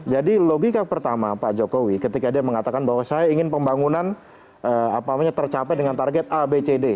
jadi logika pertama pak jokowi ketika dia mengatakan bahwa saya ingin pembangunan tercapai dengan target abcd